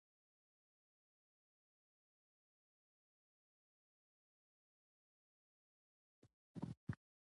The software was used in electronic publishing.